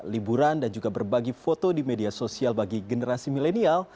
liburan dan juga berbagi foto di media sosial bagi generasi milenial